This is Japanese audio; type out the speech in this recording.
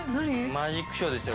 マジックショーですよ。